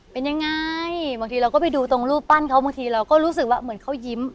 เป็นยังไงบางทีเราก็ไปดูตรงรูปปั้นเขาบางทีเราก็รู้สึกว่าเหมือนเขายิ้ม